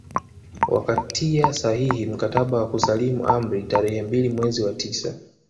Wakatia sahihi mkataba wa kusalimu amri tarehe mbili mwezi wa tisa